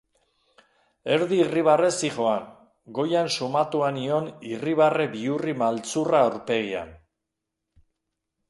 Erdi irribarrez zihoan, goian sumatua nion irribarre bihurri maltzurra aurpegian.